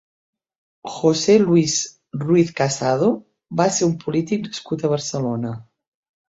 José Luis Ruiz Casado va ser un polític nascut a Barcelona.